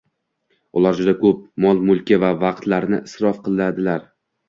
Ular juda koʻp mol-mulki va vaqtlarini isrof qiladilar